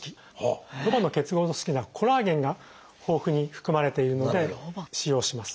ロバの結合組織の中にコラーゲンが豊富に含まれているので使用します。